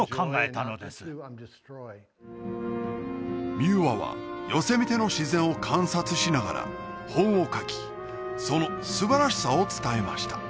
ミューアはヨセミテの自然を観察しながら本を書きそのすばらしさを伝えました